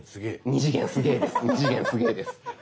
２次元すげぇです。